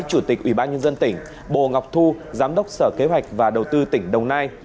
chủ tịch ủy ban nhân dân tỉnh bồ ngọc thu giám đốc sở kế hoạch và đầu tư tỉnh đồng nai